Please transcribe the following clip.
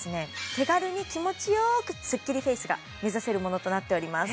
手軽に気持ちよくスッキリフェイスが目指せるものとなっております